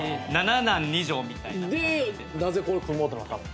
でなぜこれ組もうってなったの？